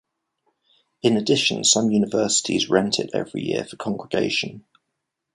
In addition, some universities rent it every year for congregation.